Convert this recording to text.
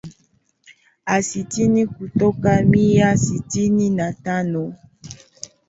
a sitini kutoka mia sitini na tano